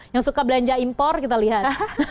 yang suka belanja impor kita lihat